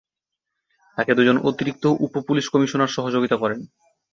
তাকে দু'জন অতিরিক্ত উপ পুলিশ কমিশনার সহযোগিতা করেন।